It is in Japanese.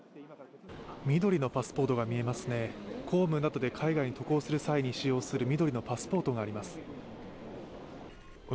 緑のパスポートが見えますね、公務などで海外に渡航するときに使用する緑のパスポートがありますね。